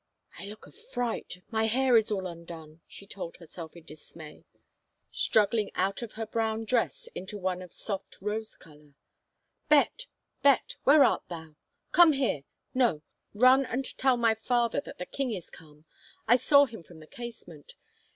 " I look a fright — my hair is all imdone," she told herself in dismay, struggling out of her brown dress into one of a soft rose color. " Bet — Bet — where art thou ? Come here, — no, run and tell my father that the king is come — I saw him from the casement.